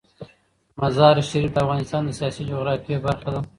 مزارشریف د افغانستان د سیاسي جغرافیه برخه ده.